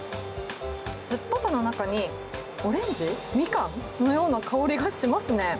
酸っぱさの中にオレンジ？ミカン？のような香りがしますね！